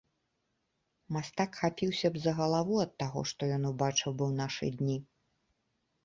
Мастак хапіўся б за галаву ад таго, што ён убачыў бы ў нашы дні.